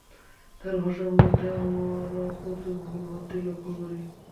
তার ভাষার মধ্যে আমরা প্রচুর ভুল-ভ্রান্তি লক্ষ্য করি।